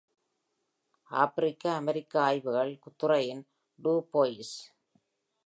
ஆப்பிரிக்க-அமெரிக்க ஆய்வுகள் துறையின் டூ போயிஸ்.